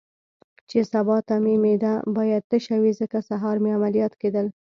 چې سبا ته مې معده باید تشه وي، ځکه سهار مې عملیات کېدل.